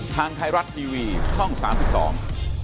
ทางไทยรัฐทีวีช่องสามสิบสอง